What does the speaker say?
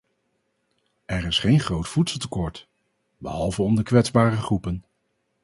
Er is geen groot voedseltekort, behalve onder kwetsbare groepen.